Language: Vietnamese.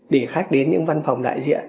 để khách đến những văn phòng đại diện